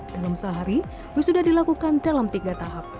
dalam sehari wisuda dilakukan dalam tiga tahap